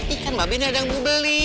ikan mbak be ini ada yang mau beli